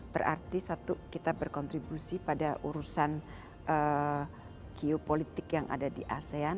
berarti satu kita berkontribusi pada urusan geopolitik yang ada di asean